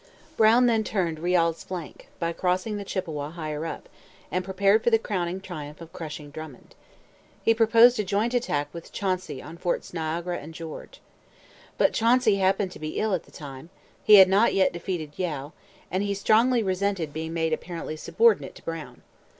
Brown then turned Riall's flank, by crossing the Chippawa higher up, and prepared for the crowning triumph of crushing Drummond. He proposed a joint attack with Chauncey on Forts Niagara and George. But Chauncey happened to be ill at the time; he had not yet defeated Yeo; and he strongly resented being made apparently subordinate to Brown.